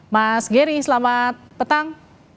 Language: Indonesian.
mas geri selamat petang